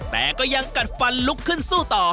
แต่ก็ยังกัดฟันลุกขึ้นสู้ต่อ